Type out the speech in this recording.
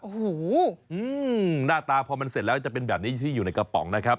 โอ้โหหน้าตาพอมันเสร็จแล้วจะเป็นแบบนี้ที่อยู่ในกระป๋องนะครับ